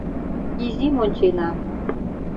— Изим ончена...